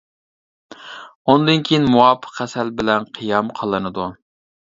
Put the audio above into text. ئۇندىن كېيىن مۇۋاپىق ھەسەل بىلەن قىيام قىلىنىدۇ.